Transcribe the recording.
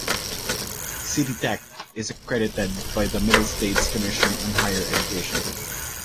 City Tech is accredited by the Middle States Commission on Higher Education.